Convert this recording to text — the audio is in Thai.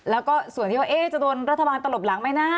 แล้วก็ส่วนที่ว่าจะโดนรัฐบาลตลบหลังไหมนะ